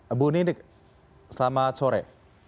ibu ninik selamat sore